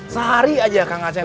sehari aja kak ngaceng